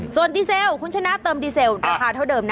ส่วนดีเซลคุณชนะเติมดีเซลราคาเท่าเดิมนะ